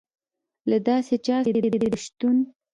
له داسې چا سره وه، چې دلته یې د شتون.